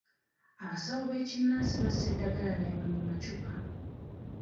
Abasawo b'ekinnansi bassa eddagala lyabwe mu macupa.